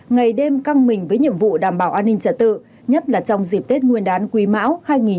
ngày đêm căng mình với nhiệm vụ đảm bảo an ninh trật tự nhất là trong dịp tết nguyên đán quý mão hai nghìn hai mươi bốn